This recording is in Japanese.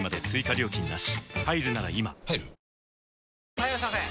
・はいいらっしゃいませ！